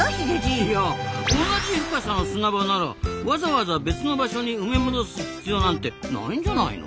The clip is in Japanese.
いやおんなじ深さの砂場ならわざわざ別の場所に埋め戻す必要なんてないんじゃないの？